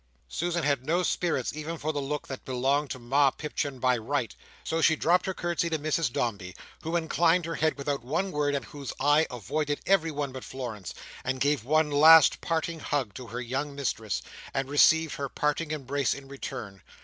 Susan had no spirits even for the look that belonged to Ma Pipchin by right; so she dropped her curtsey to Mrs Dombey (who inclined her head without one word, and whose eye avoided everyone but Florence), and gave one last parting hug to her young mistress, and received her parting embrace in return.